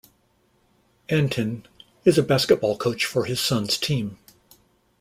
Antin is a basketball coach for his son's team.